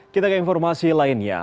kita ke informasi lainnya